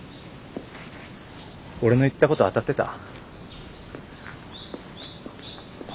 俺の言ったこと当たってた？